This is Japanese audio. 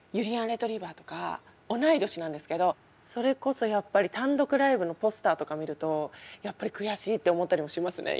レトリィバァとか同い年なんですけどそれこそやっぱり単独ライブのポスターとか見るとやっぱり悔しいって思ったりもしますね